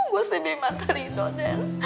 gue sih bibi matahari do den